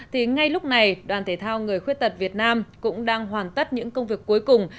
thì ngay lúc này đoàn thể thao người khuyết tật việt nam cũng đang hoàn tất những công việc cuối cùng